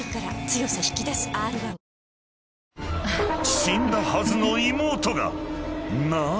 ［死んだはずの妹がなぜ？］